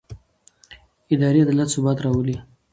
اداري عدالت ثبات راولي